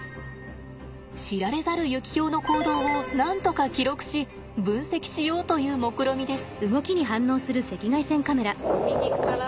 知られざるユキヒョウの行動をなんとか記録し分析しようというもくろみです。